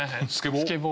スケボー？